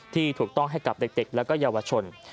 ที่ถูกต้องให้กับเด็กและเยาวชน